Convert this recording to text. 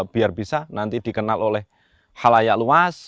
biar bisa nanti dikenal oleh halayak luas